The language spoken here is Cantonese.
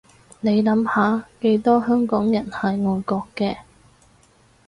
你諗下幾多香港人係愛國嘅